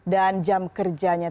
dan jam kerjanya